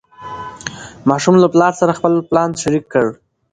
ماشوم له پلار سره خپل پلان شریک کړ